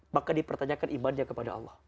maka dipertanyakan imannya kepada allah